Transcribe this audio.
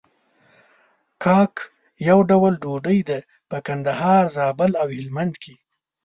کاک يو ډول ډوډۍ ده په کندهار، زابل او هلمند کې.